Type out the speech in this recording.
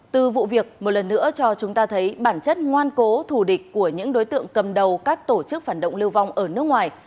từ vụ việc một lần nữa cho chúng ta thấy bản chất ngoan cố thù địch của những đối tượng cầm đầu các tổ chức phản động lưu vong ở nước ngoài